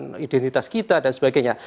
dengan identitas kita dan sebagainya